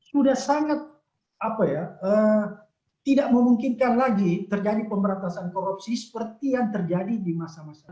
sudah sangat apa ya tidak memungkinkan lagi terjadi pemberantasan korupsi seperti yang terjadi di masa masa